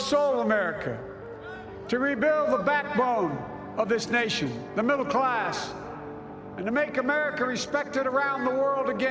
saya mencari pejabat ini untuk mengembangkan amerika yang terbuka